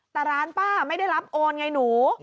แต่ร้านป้าไม่ได้รับโอนไงหนู